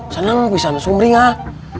seneng pisah sama sumri gak